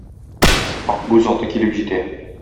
Акбүз аты килеп җитә.